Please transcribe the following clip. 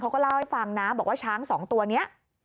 เขาก็เล่าให้ฟังนะบอกว่าช้างสองตัวนี้